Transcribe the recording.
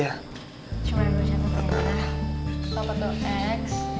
bapak toh x